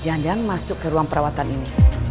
jangan jangan masuk ke ruang perawatan ini